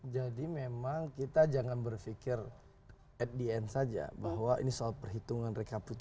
jadi memang kita jangan berfikir at the end of the day dan yang penting adalah kita menolak hasil penghitungan ini sih bang andre